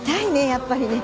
やっぱりね。